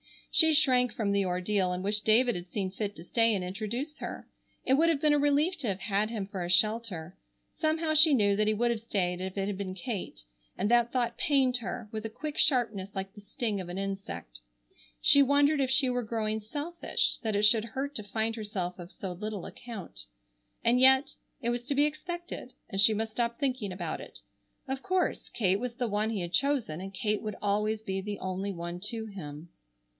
She shrank from the ordeal and wished David had seen fit to stay and introduce her. It would have been a relief to have had him for a shelter. Somehow she knew that he would have stayed if it had been Kate, and that thought pained her, with a quick sharpness like the sting of an insect. She wondered if she were growing selfish, that it should hurt to find herself of so little account. And, yet, it was to be expected, and she must stop thinking about it. Of course, Kate was the one he had chosen and Kate would always be the only one to him.